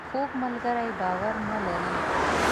کوږ ملګری باور نه لري